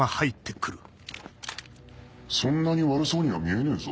そんなに悪そうには見えねえぞ？